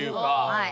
はい。